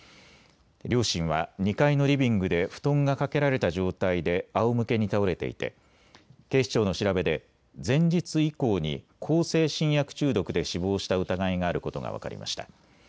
両親は２階のリビングで布団がかけられた状態であおむけに倒れていて警視庁の調べで前日以降に向精神薬中毒で死亡した疑いがあることが分かりました。